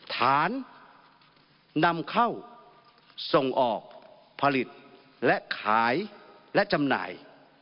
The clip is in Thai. ฐานนำเข้าส่งออกผลิตและขายและจำหน่าย